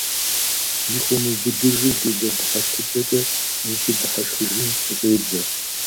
Зыхуэмыубыдыжу делэ дыхьэшхыкӀэкӀэ зыщыдыхьэшхыжын къыщӀедзэ.